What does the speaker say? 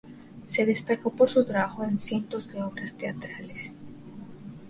Se destacó por su trabajo en cientos de obras teatrales.